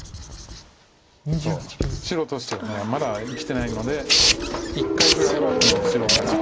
白としてはまだ生きてないので一回ぐらいは後ろから。